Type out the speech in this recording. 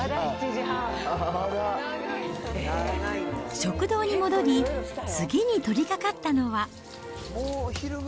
食堂に戻り、次に取りかかったのは。